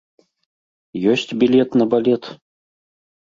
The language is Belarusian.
Ёсць білет на балет?